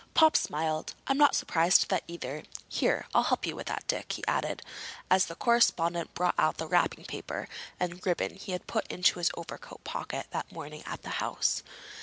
Pop smiled. "I'm not surprised at that either. Here, I'll help you with that, Dick," he added, as the correspondent brought out the wrapping paper and ribbon he had put into his overcoat pocket that morning at the house.